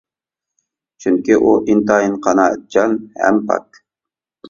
چۈنكى ئۇ ئىنتايىن قانائەتچان ھەم پاك!